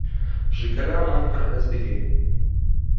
Ji keleman pir hez dike.